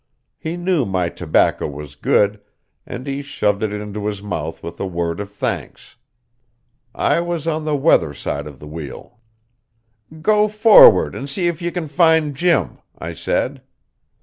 He knew my tobacco was good, and he shoved it into his mouth with a word of thanks. I was on the weather side of the wheel. "Go forward and see if you can find Jim," I said.